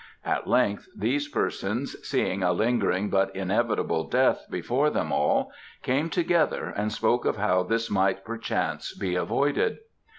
At length these persons, seeing a lingering but inevitable death before them all, came together and spoke of how this might perchance be avoided.